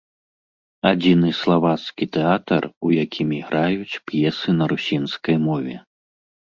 Адзіны славацкі тэатр, у якім іграюць п'есы на русінскай мове.